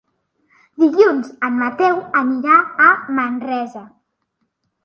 Dilluns en Mateu anirà a Manresa.